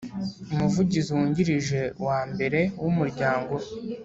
Umuvugizi Wungirije wa mbere w Umuryango